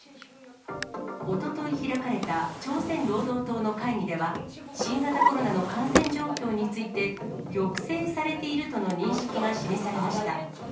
おととい開かれた朝鮮労働党の会議では、新型コロナの感染状況について、抑制されているとの認識が示されました。